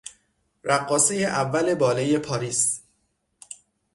رقاصهی اول بالهی پاریس